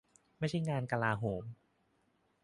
ไม่ใช่งานกลาโหม